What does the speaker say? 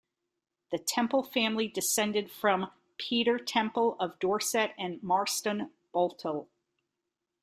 The Temple family descended from Peter Temple, of Dorset and Marston Boteler.